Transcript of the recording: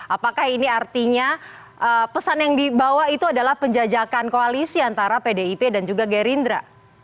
apakah ini artinya pesan yang dibawa itu adalah penjajakan koalisi antara pdip dan juga gerindra